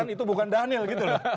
itu bukan daniel gitu